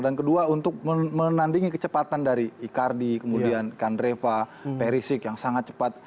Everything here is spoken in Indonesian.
dan kedua untuk menandingi kecepatan dari icardi kemudian kandreva perisic yang sangat cepat